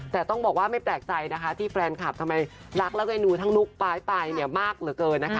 แต่ต้องบอกว่าไม่แปลกใจนะคะที่แฟนคลับทำไมรักแล้วก็ดูทั้งนุ๊กปลายเนี่ยมากเหลือเกินนะคะ